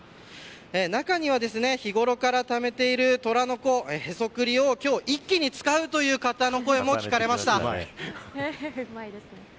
中には日頃からためている虎の子、へそくりを今日一気に使うという方の声も聞かれました。